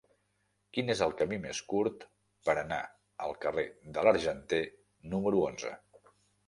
Quin és el camí més curt per anar al carrer de l'Argenter número onze?